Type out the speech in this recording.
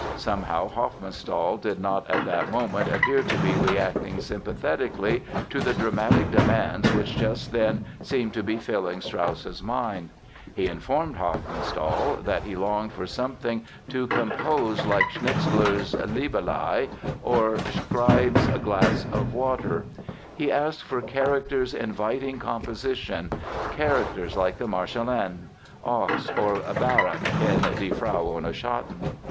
Somehow Hofmannsthal did not at that moment appear to be reacting sympathetically to the dramatic demands which just then seemed to be filling Strauss's mind. He informed Hofmannsthal that he longed for something to compose like Schnitzler's Liebelei or Scribe's Glass of Water. He asked for "characters inviting composition—characters like the Marschallin, Ochs or Barak (in Die Frau ohne Schatten)."